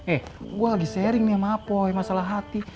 eh gue lagi sharing nih sama poi masalah hati